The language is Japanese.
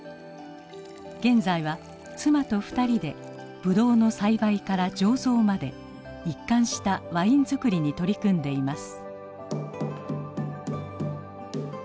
現在は妻と２人でブドウの栽培から醸造まで一貫したワイン造りに取り組んでいます。